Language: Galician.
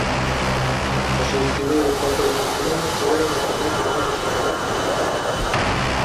Os seus primeiros papeis no cinema chegaron a finais dos anos corenta.